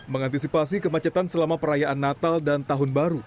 mengantisipasi kemacetan selama perayaan natal dan tahun baru